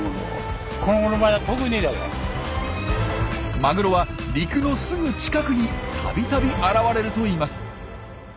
マグロは陸のすぐ近くにたびたび現れるといいます。